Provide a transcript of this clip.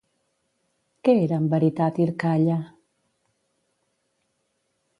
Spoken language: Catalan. Què era en veritat Irkalla?